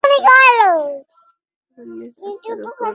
তোমার নিজ আত্মার উপর দাঁড়াও।